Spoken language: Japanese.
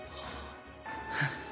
フッ。